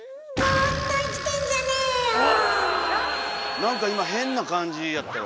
何か今変な感じやったよ？